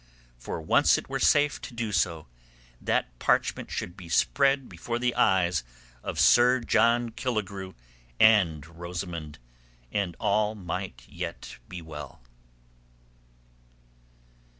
For once it were safe to do so, that parchment should be spread before the eyes of Sir John Killigrew and Rosamund, and all might yet be well.